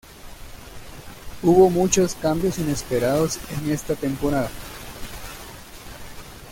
Hubo muchos cambios inesperados en esta temporada.